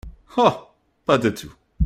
Oh ! pas du tout !